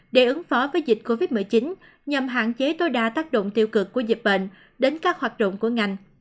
để ứng phó với dịch covid một mươi chín nhằm hạn chế tối đa tác động tiêu cực của dịch bệnh đến các hoạt động của ngành